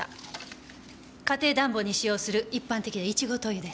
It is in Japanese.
家庭暖房に使用する一般的な１号灯油です。